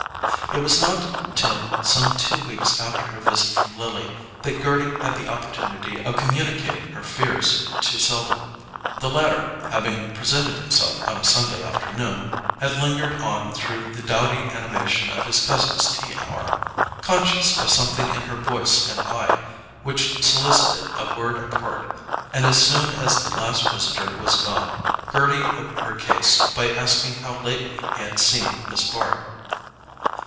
It was not till some two weeks after her visit from Lily that Gerty had the opportunity of communicating her fears to Selden. The latter, having presented himself on a Sunday afternoon, had lingered on through the dowdy animation of his cousin's tea hour, conscious of something in her voice and eye which solicited a word apart; and as soon as the last visitor was gone Gerty opened her case by asking how lately he had seen Miss Bart.